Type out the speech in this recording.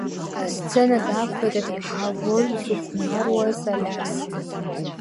Асцена даақәлеит аҭыԥҳа лроль зыхәмаруаз Алиас…